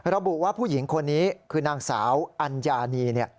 ระบุว่าผู้หญิงคนนี้คือนางสาวอัญญานี